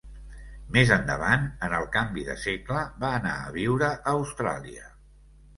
Més endavant, en el canvi de segle, va anar a viure a Austràlia.